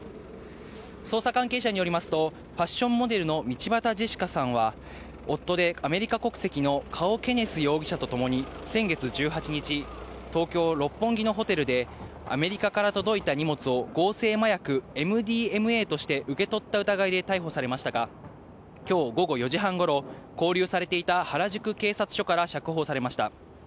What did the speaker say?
捜査関係者によりますと、ファッションモデルの道端ジェシカさんは、夫でアメリカ国籍のカオ・ケネス容疑者と共に先月１８日、東京・六本木のホテルで、アメリカから届いた荷物を、合成麻薬ＭＤＭＡとして受け取った疑いで逮捕されましたが、きょう午後４時半ごろ、勾留されていた原宿警察署から釈放されました。